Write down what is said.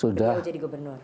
sudah jadi gubernur